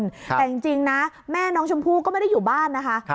แต่จริงนะแม่น้องชมพู่ก็ไม่ได้อยู่บ้านนะคะ